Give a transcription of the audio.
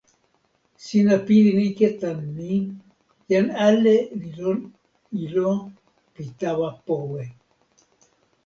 sina pilin ike tan ni: jan ale li lon ilo pi tawa powe.